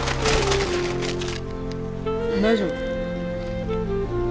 大丈夫？